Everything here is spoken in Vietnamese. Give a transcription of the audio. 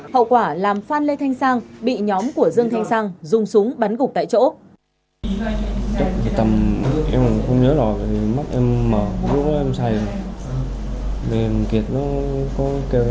hậu quả làm phan lê thanh sang bị nhóm của dương thanh sang dùng súng bắn gục tại chỗ